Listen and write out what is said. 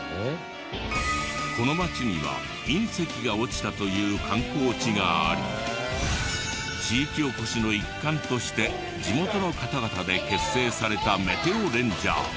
この街には隕石が落ちたという観光地があり地域おこしの一環として地元の方々で結成されたメテオレンジャー。